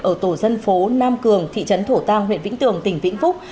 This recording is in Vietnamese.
ở tổ dân phố nam cường thị trấn thổ tàng huyện vĩnh tường tỉnh vĩnh phúc